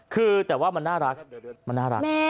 คือแต่ว่ามันน่ารัก